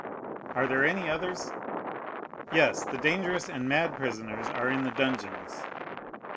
Are there any others?" "Yes; the dangerous and mad prisoners are in the dungeons."